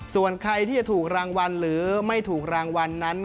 ส่วนใครที่จะถูกรางวัลหรือไม่ถูกรางวัลนั้น